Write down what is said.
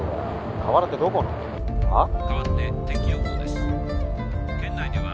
河原ってどこの？はあ？